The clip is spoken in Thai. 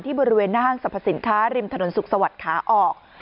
บริเวณหน้าห้างสรรพสินค้าริมถนนสุขสวัสดิ์ขาออก